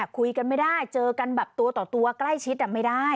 คุยกันไม่ได้เจอกันแบบตัวต่อตัวใกล้ชิดไม่ได้